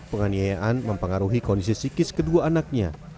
penganiayaan mempengaruhi kondisi psikis kedua anaknya